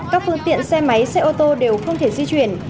các phương tiện xe máy xe ô tô đều không thể di chuyển